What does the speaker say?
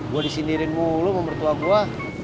gue disindirin mulu sama mertua gue